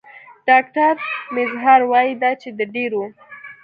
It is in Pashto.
ډاکټر میزهر وايي دا چې د ډېرو